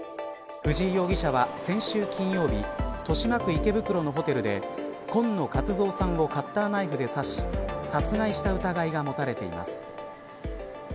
藤井容疑者は先週金曜日豊島区池袋のホテルで今野勝蔵さんをカッターナイフで刺し殺害した疑いが持たれています。